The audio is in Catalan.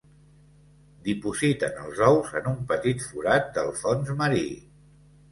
Dipositen els ous en un petit forat del fons marí.